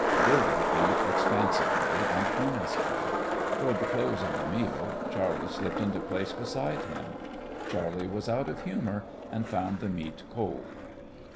Billy ate expansively and earnestly. Toward the close of the meal Charley slipped into place beside him. Charley was out of humour, and found the meat cold.